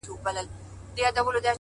بېزاره به سي خود يـــاره له جنگه ككـرۍ”